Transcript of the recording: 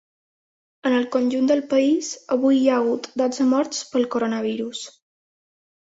En el conjunt del país, avui hi ha hagut dotze morts pel coronavirus.